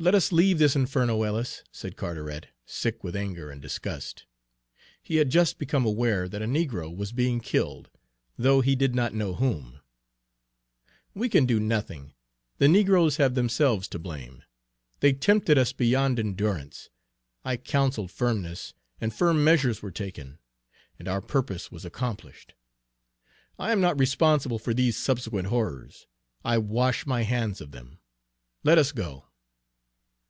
"Let us leave this inferno, Ellis," said Carteret, sick with anger and disgust. He had just become aware that a negro was being killed, though he did not know whom. "We can do nothing. The negroes have themselves to blame, they tempted us beyond endurance. I counseled firmness, and firm measures were taken, and our purpose was accomplished. I am not responsible for these subsequent horrors, I wash my hands of them. Let us go!"